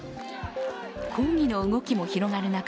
抗議の動きも広がる中